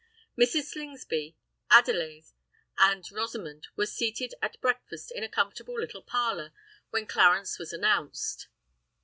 Mrs. Slingsby, Adelais, and Rosamond were seated at breakfast in a comfortable little parlour, when Clarence was announced.